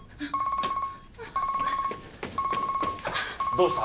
どうした？